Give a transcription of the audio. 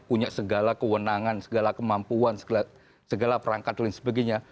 punya segala kewenangan segala kemampuan segala perangkat dan sebagainya